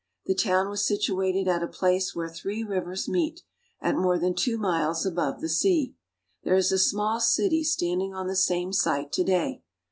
The town was situated at a place where three rivers meet, at more than two miles above the sea. There is a small city standing on the same site to day.